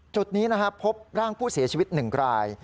จุดนี้พบร่างผู้เสียชีวิตหนึ่งกลาย